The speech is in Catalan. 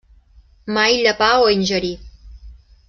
Mai llepar o ingerir.